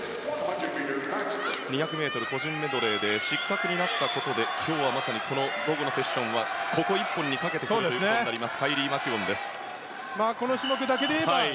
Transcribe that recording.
２００ｍ個人メドレーで失格になったことで今日はまさに午後のセッションはここ１本にかけてくるということです